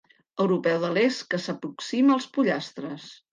Europeu de l'est que s'aproxima als pollastres.